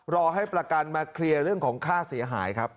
รอให้ประกันมาเคลียร์เรื่องของค่าเสียหายครับ